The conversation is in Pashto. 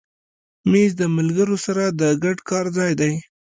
مېز د ملګرو سره د ګډ کار ځای دی.